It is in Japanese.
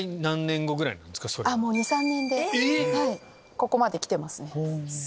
ここまできてますね。